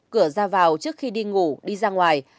cửa ra vào trước khi đi ngủ đi ra ngoài